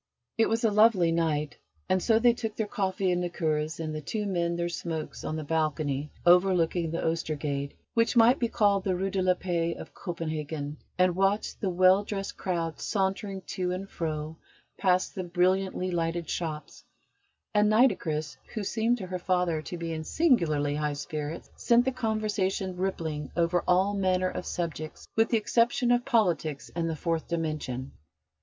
It was a lovely night, and so they took their coffee and liqueurs, and the two men their smokes on the balcony overlooking the Oestergade, which might be called the Rue de la Paix of Copenhagen, and watched the well dressed crowds sauntering to and fro past the brilliantly lighted shops; and Nitocris, who seemed to her father to be in singularly high spirits, sent the conversation rippling over all manner of subjects with the exception of politics and the Fourth Dimension.